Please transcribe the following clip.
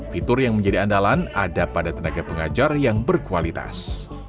fitur yang menjadi andalan ada pada tenaga pengajar yang berkualitas